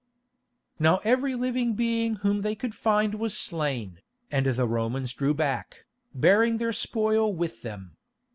Now every living being whom they could find was slain, and the Romans drew back, bearing their spoil with them.